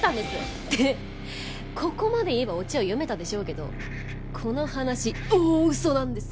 でここまで言えばオチは読めたでしょうけどこの話大嘘なんですよ。